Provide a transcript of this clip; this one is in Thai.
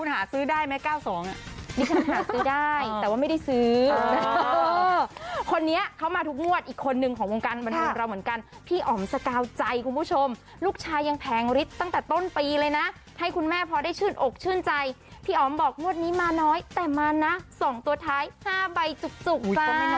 นี่ฉันหาซื้อได้แต่ว่าไม่ได้ซื้อคนนี้เขามาทุกงวดอีกคนนึงของวงการบันเทิงเราเหมือนกันพี่อ๋อมสกาวใจคุณผู้ชมลูกชายยังแพงฤทธิ์ตั้งแต่ต้นปีเลยนะให้คุณแม่พอได้ชื่นอกชื่นใจพี่อ๋อมบอกงวดนี้มาน้อยแต่มานะ๒ตัวท้าย๕ใบจุก